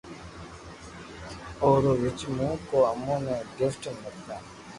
او اي رو وجھ مون ڪو امون نو گفٽ مڪتا